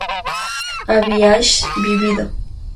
habíais vivido